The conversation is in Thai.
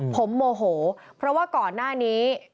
ผมโมโหเพราะว่าก่อนหน้านี้